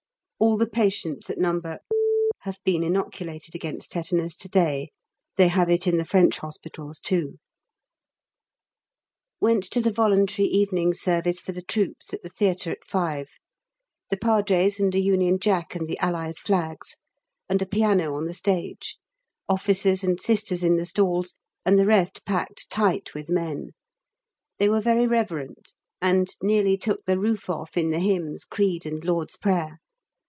All the patients at No. have been inoculated against tetanus to day. They have it in the French Hospitals too. Went to the Voluntary Evening Service for the troops at the theatre at 5. The Padres and a Union Jack and the Allies' Flags; and a piano on the stage; officers and sisters in the stalls; and the rest packed tight with men: they were very reverent, and nearly took the roof off in the Hymns, Creed, and Lord's Prayer.